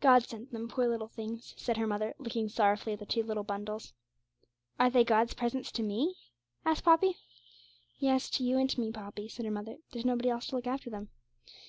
'God sent them, poor little things!' said her mother, looking sorrowfully at the two little bundles. 'Are they God's presents to me?' asked Poppy. 'Yes, to you and to me, Poppy,' said her mother; 'there's nobody else to look after them.'